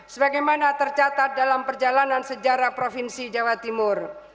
sebagaimana tercatat dalam perjalanan sejarah provinsi jawa timur